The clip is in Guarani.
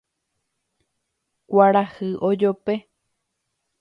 Kuarahy ojope